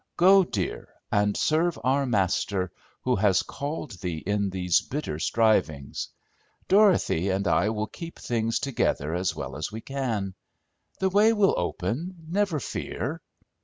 Go, dear, and serve our Master, who has called thee in these bitter strivings! Dorothy and I will keep things together as well as we can. The way will open never fear!"